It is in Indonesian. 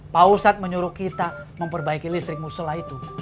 pausat menyuruh kita memperbaiki listrik musola itu